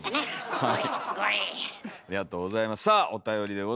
はい。